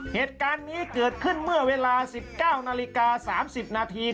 เหตุการณ์นี้เกิดขึ้นเมื่อเวลา๑๙นาฬิกา๓๐นาที